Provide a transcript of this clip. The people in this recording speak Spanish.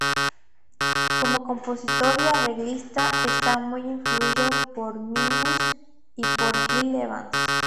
Como compositor y arreglista, está muy influido por Mingus y por Gil Evans.